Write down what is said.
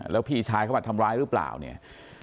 แล้วพี่ชายเขามาทำร้ายหรือเปล่าเนี่ย